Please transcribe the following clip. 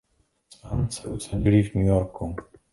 S Anne se usadili v New Yorku.